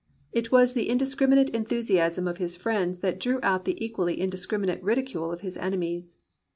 It was the indiscriminate enthusiasm of his friends that drew out the equally indiscriminate ridicule of his enemies.